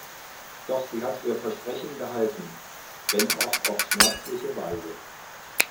Doch sie hat ihr Versprechen gehalten, wenn auch auf schmerzliche Weise.